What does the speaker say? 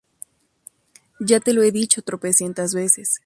Ya te lo he dicho tropecientas veces